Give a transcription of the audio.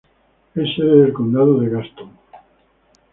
Es sede del condado de Gaston.